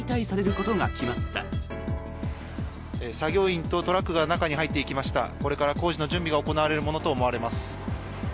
これから工事の準備が行われるものと思われます。